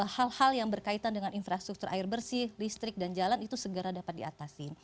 hal hal yang berkaitan dengan infrastruktur air bersih listrik dan jalan itu segera dapat diatasi